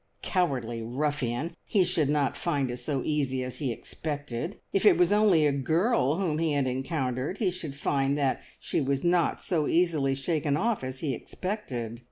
Cowardly ruffian! He should not find it so easy as he expected! If it was only a girl whom he had encountered, he should find that she was not so easily shaken off as he expected.